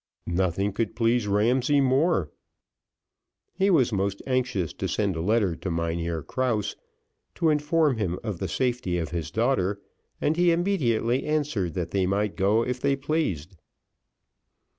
Nothing could please Ramsay better. He was most anxious to send a letter to Mynheer Krause to inform him of the safety of his daughter, and he immediately answered that they might go if they pleased.